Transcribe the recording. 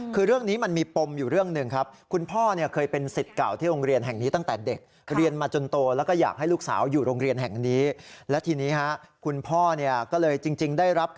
คือเรื่องนี้มันมีปมอยู่เรื่องหนึ่งครับ